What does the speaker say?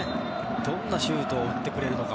どんなシュートを打ってくれるのか。